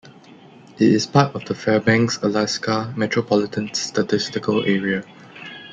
It is part of the Fairbanks, Alaska Metropolitan Statistical Area.